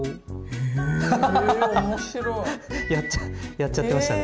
やっちゃってましたね。